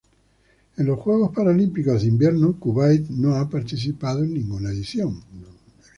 En los Juegos Paralímpicos de Invierno Kuwait no ha participado en ninguna edición.